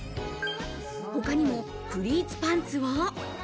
他にもプリーツパンツを。